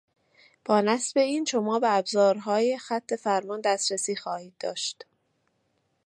با نصب این، شما به ابزارهای خطفرمان دسترسی خواهید داشت.